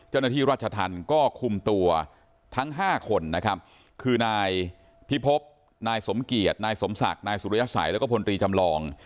เจ้าหน้าที่รัชธรรมก็คุมตัวทั้ง๕คนนะครับคือนายพิพบนายสมเกียจนายสมศักดิ์นายสุริยสัยแล้วก็พลตรีจำลอง